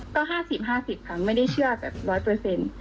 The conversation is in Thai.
ก็๕๐๕๐ครั้งไม่ได้เชื่อแบบ๑๐๐